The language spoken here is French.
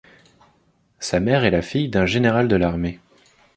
Sa mère est la fille d'un général de l’armée.